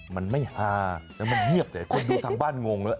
มันไม่ฮาแล้วมันเงียบแต่คนดูทางบ้านงงแล้ว